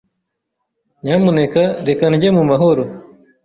Nyamuneka reka ndye mu mahoro.